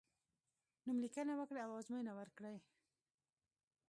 نوم لیکنه وکړی او ازموینه ورکړی.